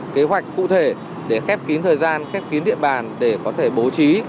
kế hoạch cụ thể để khép kín thời gian khép kín địa bàn để có thể bố trí